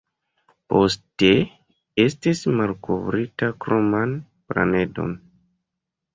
Poste, estis malkovrita kroman planedon.